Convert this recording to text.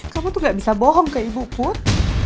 kamu tuh gak bisa bohong ke ibu put